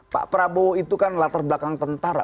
pak prabowo itu kan latar belakang tentara